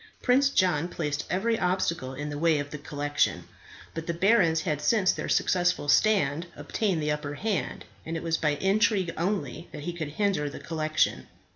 Prince John placed every obstacle in the way of the collection; but the barons had since their successful stand obtained the upper hand, and it was by intrigue only that he could hinder the collection.